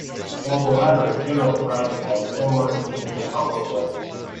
While the latter is generally frowned upon, the former is seen as intolerable.